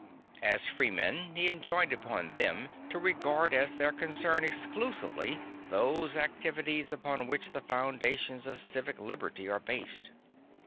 As freemen, he enjoined upon them to regard as their concern exclusively those activities upon which the foundations of civic liberty are based.